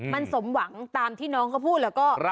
มันสมหวังตามที่น้องเขาพูดแล้วก็